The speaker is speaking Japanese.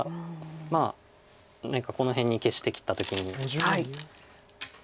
まあ何かこの辺に消してきた時に。